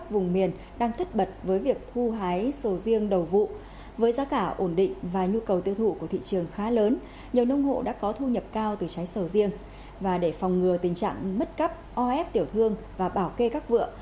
và để phòng ngừa tình trạng mất cấp o ép tiểu thương và bảo kê các vựa